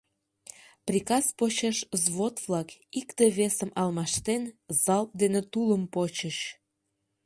Приказ почеш взвод-влак, икте-весым алмаштен, залп дене тулым почыч.